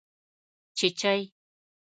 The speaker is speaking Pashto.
🐤چېچۍ